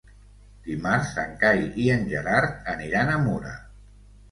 Dimarts en Cai i en Gerard aniran a Mura.